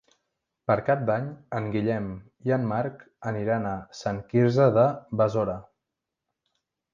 Per Cap d'Any en Guillem i en Marc aniran a Sant Quirze de Besora.